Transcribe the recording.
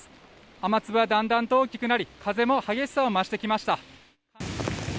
雨粒はだんだんと大きくなり、風も激しさを増してきました。